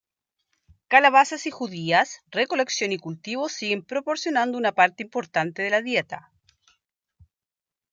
Calabaza y judías, recolección y cultivo siguen proporcionando una parte importante de la dieta.